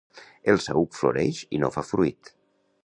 El saüc floreix i no fa fruit.